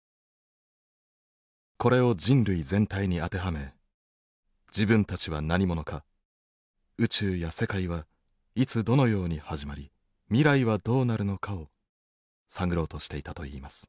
これを人類全体に当てはめ自分たちは何者か宇宙や世界はいつどのように始まり未来はどうなるのかを探ろうとしていたといいます。